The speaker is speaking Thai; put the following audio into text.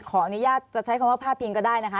ขออนุญาตจะใช้คำว่าพาดพิงก็ได้นะคะ